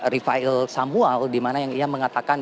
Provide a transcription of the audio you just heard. rifail samuel dimana yang ia mengatakan